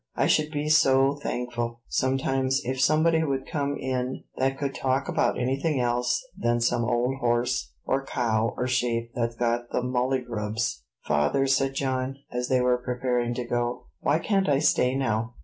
I should be so thankful, sometimes, if somebody would come in that could talk about anything else than some old horse, or cow, or sheep that's got the mulligrubs!" "Father," said John, as they were preparing to go, "why can't I stay now?"